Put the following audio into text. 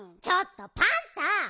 ちょっとパンタ！